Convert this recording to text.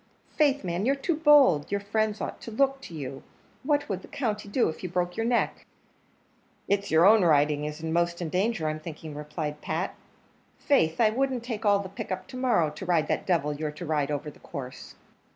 Faith, man, you're too bold; your friends ought to look to you; what would the country do if you broke your neck?" "It's your own is in most danger, I'm thinking," replied Pat; "faith, I wouldn't take all the pick up to morrow, to ride that devil you're to ride over the course."